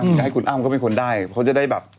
จะให้คุณอ้ำเขาเป็นคนได้เขาจะได้แบบ